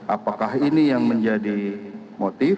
apakah ini yang menjadi motif